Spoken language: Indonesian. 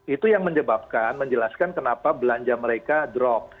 itu yang menyebabkan menjelaskan kenapa belanja mereka drop